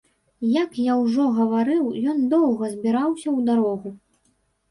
Як я ўжо гаварыў, ён доўга збіраўся ў дарогу.